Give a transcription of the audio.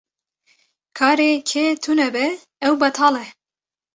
Karê kê tune be ew betal e.